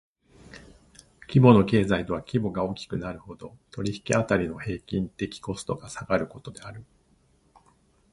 規模の経済とは規模が大きくなるほど、取引辺りの平均的コストが下がることである。